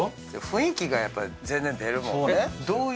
雰囲気がやっぱ出るもんね。